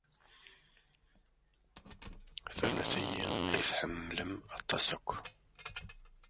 Fernet ini ay tḥemmlem aṭas akk.